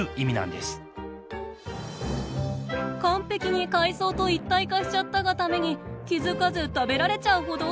完璧に海藻と一体化しちゃったがために気付かず食べられちゃうほど。